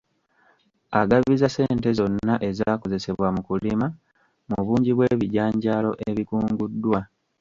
Agabiza ssente zonna ezaakozesebwa mu kulima mu bungi bw’ebijanjaalo ebikunguddwa.